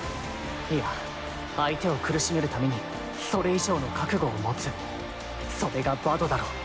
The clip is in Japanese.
いや相手を苦しめるためにそれ以上の覚悟を持つそれがバドだろ。